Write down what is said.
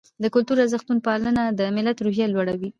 د کلتوري ارزښتونو پالنه د ملت روحیه لوړوي.